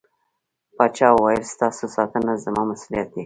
پاچا وويل: ستاسو ساتنه زما مسووليت دى.